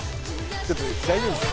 ちょっと大丈夫っすか？